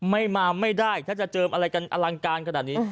ไม่มาไม่ได้ถ้าจะเจิมอะไรกันอลังการขนาดนี้